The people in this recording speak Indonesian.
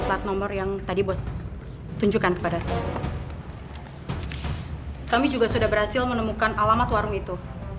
plat nomor yang tadi bos tunjukkan kepada saya kami juga sudah berhasil menemukan alamat warung itu